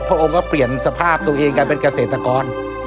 องค์ก็เปลี่ยนสภาพตัวเองกันเป็นเกษตรกร